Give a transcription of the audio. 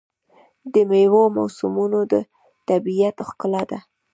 د میوو موسمونه د طبیعت ښکلا ده.